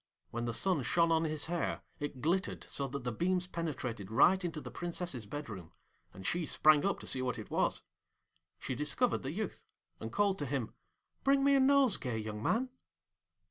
When the sun shone on his hair it glittered so that the beams penetrated right into the Princess's bedroom, and she sprang up to see what it was. She discovered the youth, and called to him, 'Bring me a nosegay, young man.'